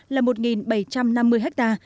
là một bảy trăm năm mươi ha